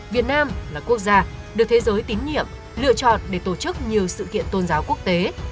việt nam là quốc gia được thế giới tín nhiệm lựa chọn để tổ chức nhiều sự kiện tôn giáo quốc tế